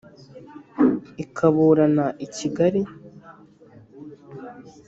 ikaburana kigali